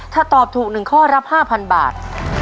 ถ้าตอบถูก๑ข้อรับ๕๐๐บาท